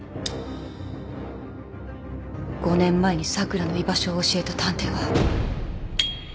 ５年前に咲良の居場所を教えた探偵は。